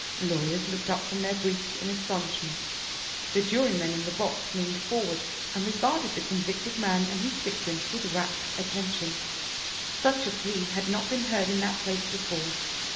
Lawyers looked up from their briefs in astonishment. The jurymen in the box leaned forward and regarded the convicted man and his victim with rapt attention. Such a plea had not been heard in that place before.